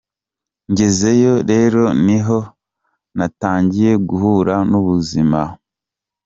Ngezeyo rero niho natangiye guhura n’ubuzima